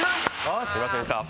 すいませんでした。